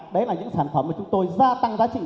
đấy là những sản phẩm mà chúng tôi gia tăng giá trị